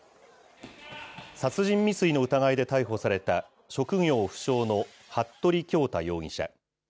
殺人未遂の疑いで逮捕された職業不詳の服部恭太容疑者。